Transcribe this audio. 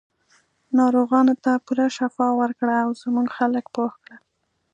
ناروغانو ته پوره شفا ورکړه او زموږ خلک پوه کړه.